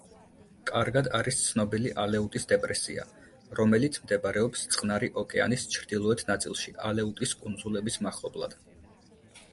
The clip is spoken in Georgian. კარგად არის ცნობილი ალეუტის დეპრესია, რომელიც მდებარეობს წყნარი ოკეანის ჩრდილოეთ ნაწილში ალეუტის კუნძულების მახლობლად.